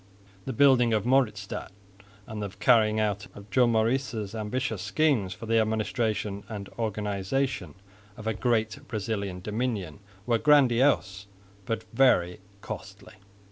The building of Mauritsstad and the carrying out of Joan Maurice's ambitious schemes for the administration and organisation of a great Brazilian dominion were grandiose, but very costly.